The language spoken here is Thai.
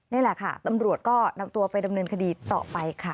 นี่แหละค่ะตำรวจก็นำตัวไปดำเนินคดีต่อไปค่ะ